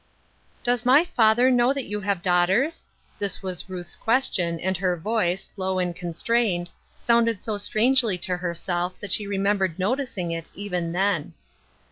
"Does my father know that you have daugh ters?" This was Ruth's question, and her voice, low and constrained, sounded so strangely to herself that she remembered noticing it even then.